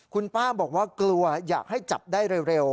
คุณป้าบอกว่ากลัวอยากให้จับได้เร็ว